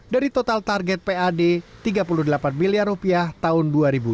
dari total target pad rp tiga puluh delapan miliar rupiah tahun dua ribu dua puluh